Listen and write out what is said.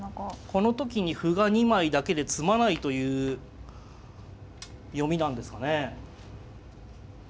この時に歩が２枚だけで詰まないという読みなんですかね。